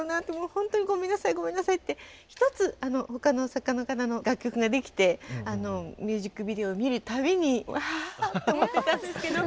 本当にごめんなさいごめんなさいって一つ他の作家の方の楽曲ができてミュージックビデオを見るたびにああって思ってたんですけど。